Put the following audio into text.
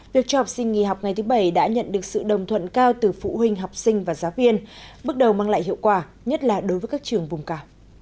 việc cho học sinh nghỉ học ngày thứ bảy đã nhận được sự đồng thuận cao từ phụ huynh học sinh và giáo viên bước đầu mang lại hiệu quả nhất là đối với các trường vùng cả